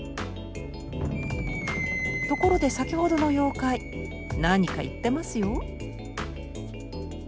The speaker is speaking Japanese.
ところで先ほどの妖怪何か言ってますよ。